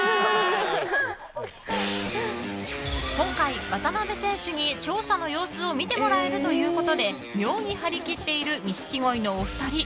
今回、渡辺選手に調査の様子を見てもらえるということで妙に張り切っている錦鯉のお二人。